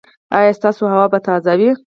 ایا ستاسو هوا به تازه وي؟